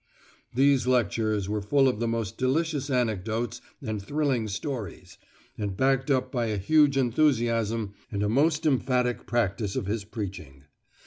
These lectures were full of the most delicious anecdotes and thrilling stories, and backed up by a huge enthusiasm and a most emphatic practice of his preaching.